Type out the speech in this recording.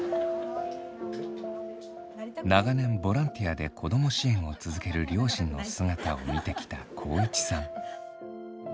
長年ボランティアで子ども支援を続ける両親の姿を見てきた航一さん。